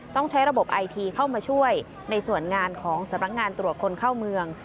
ต้องใช้ระบบไอทีเข้ามาช่วยในส่วนงานของสำนักงานตรวจคนเข้าเมือง